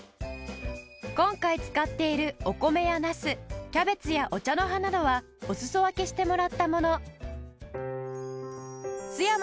今回使っているお米やナスキャベツやお茶の葉などはおすそわけしてもらったもの